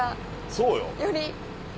そうよ。